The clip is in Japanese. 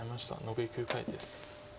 残り９回です。